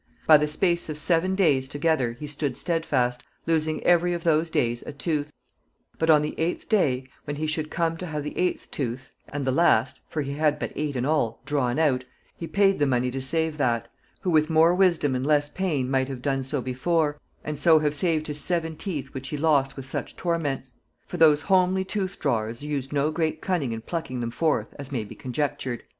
By the space of seaun daies together he stood stedfast, losing euerie of those days a tooth. But on the eighth day, when he shuld come to have the eighth tooth, and the last (for he had but eight in all), draun out, he paid the monie to save that, who with more wisedome and less paine might have done so before, and so have saved his seven teeth which he lost with such torments; for those homelie toothdrauers used no great cunning in plucking them forth, as may be conjectured.